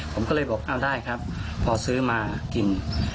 ผมก็เลยบอกอ้าวได้ครับพอซื้อมากิน